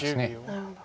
なるほど。